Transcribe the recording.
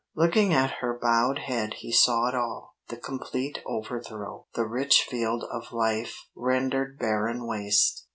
Looking at her bowed head he saw it all the complete overthrow, the rich field of life rendered barren waste.